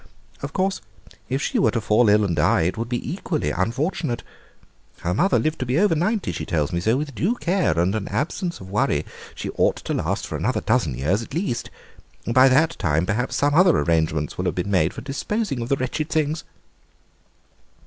Of course if she were to fall ill and die it would be equally unfortunate. Her mother lived to be over ninety, she tells me, so with due care and an absence of worry she ought to last for another dozen years at least. By that time perhaps some other arrangements will have been made for disposing of the wretched things."